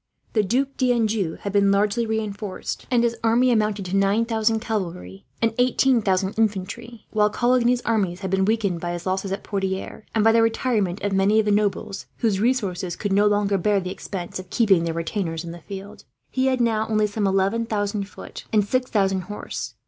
The Duc d'Anjou had been largely reinforced, and his army amounted to nine thousand cavalry and eighteen thousand infantry; while Coligny's army had been weakened by his losses at Poitiers, and by the retirement of many of the nobles, whose resources could no longer bear the expense of keeping their retainers in the field. He had now only some eleven thousand foot, and six thousand horse.